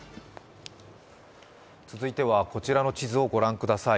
続いてはこちらの地図をご覧ください。